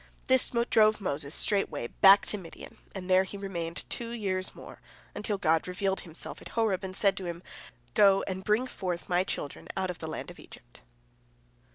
This drove Moses straightway back to Midian, and there he remained two years more, until God revealed Himself at Horeb, and said to him, "Go and bring forth My children out of the land of Egypt.